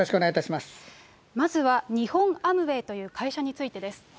まずは、日本アムウェイという会社についてです。